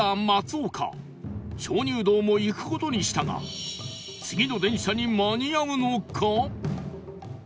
鍾乳洞も行く事にしたが次の電車に間に合うのか？